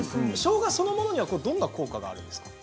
そのものにどんな効果があるんですか？